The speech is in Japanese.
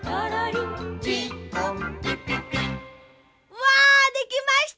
うわできました！